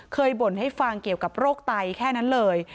บ่นให้ฟังเกี่ยวกับโรคไตแค่นั้นเลย